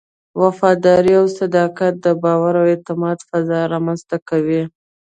وفاداري او صداقت د باور او اعتماد فضا رامنځته کوي.